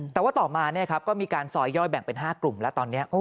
แต่ว่าต่อมาก็มีการซอยย่อยแบ่งเป็น๕กลุ่มแล้วตอนนี้